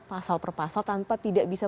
pasal per pasal tanpa tidak bisa